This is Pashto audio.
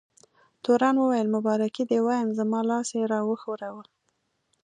تورن وویل: مبارکي دې وایم، زما لاس یې را وښوراوه.